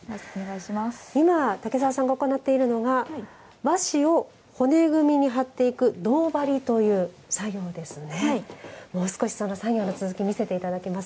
今、竹澤さんが行っているのが和紙を骨組みに張っていく胴張りという作業ですね。